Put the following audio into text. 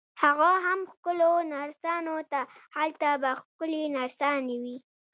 هغه هم ښکلو نرسانو ته، هلته به ښکلې نرسانې وي.